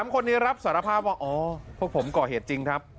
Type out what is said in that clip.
๓คนนี้รับสารภาพว่าอ๋อพวกผมก่อเหตุจริงครับ